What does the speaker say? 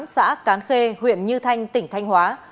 xã cán khê huyện như thanh tỉnh thanh hóa